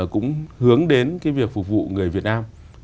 cũng hướng đến cái việc phục vụ người việt nam